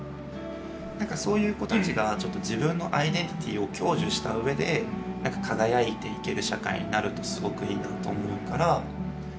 何かそういう子たちがちょっと自分のアイデンティティーを享受したうえで何か輝いていける社会になるとすごくいいなと思うから。